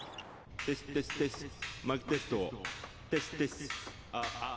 テステステスマイクテストテステスあああー。